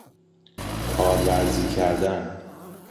کارورزی کردن